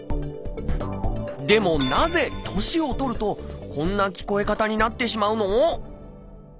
でもなぜ年を取るとこんな聞こえ方になってしまうの？